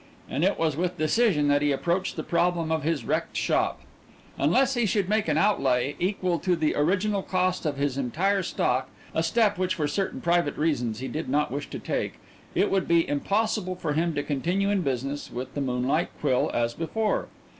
And it was with decision that he approached the problem of his wrecked shop. Unless he should make an outlay equal to the original cost of his entire stock a step which for certain private reasons he did not wish to take it would be impossible for him to continue in business with the Moonlight Quill as before.